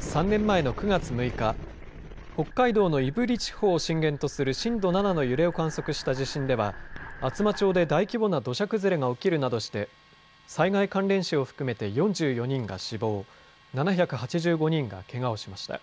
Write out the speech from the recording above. ３年前の９月６日、北海道の胆振地方を震源とする震度７の揺れを観測した地震では厚真町で大規模な土砂崩れが起きるなどして災害関連死を含めて４４人が死亡、７８５人がけがをしました。